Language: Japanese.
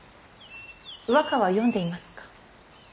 和歌は詠んでいますか。